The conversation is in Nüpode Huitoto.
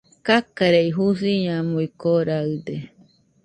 Kakarei, Jusiñamui koraɨde